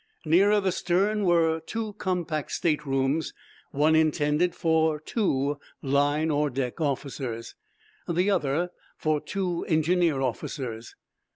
Nearer the stern were two compact state rooms, one intended for two "line" or "deck" officers, the other for two engineer officers.